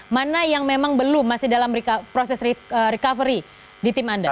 mana yang memang belum masih dalam proses recovery di tim anda